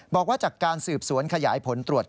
บอกว่าจากการสืบสวนขยายผลตรวจ